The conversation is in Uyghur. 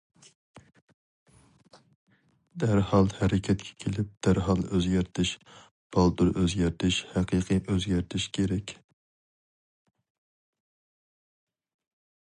دەرھال ھەرىكەتكە كېلىپ دەرھال ئۆزگەرتىش، بالدۇر ئۆزگەرتىش، ھەقىقىي ئۆزگەرتىش كېرەك.